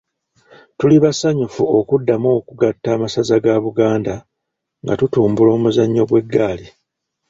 Tuli basanyufu okuddamu okugatta amasaza ga Buganda nga tutumbula omuzannyo gw’eggaali .